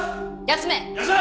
休め。